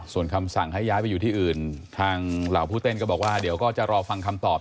ส่วนคำสั่งให้ย้ายไปอยู่ที่อื่นทางเหล่าผู้เต้นก็บอกว่าเดี๋ยวก็จะรอฟังคำตอบ